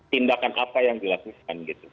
tindakan apa yang dilakukan gitu